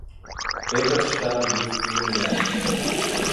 Этот шар есть земля.